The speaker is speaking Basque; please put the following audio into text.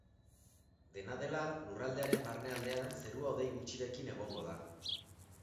Dena dela, lurraldearen barnealdean zerua hodei gutxirekin egongo da.